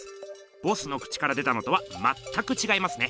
ボスの口から出たのとはまったくちがいますね。